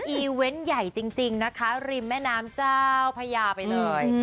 อีเวนต์ใหญ่จริงนะคะริมแม่น้ำเจ้าพญาไปเลย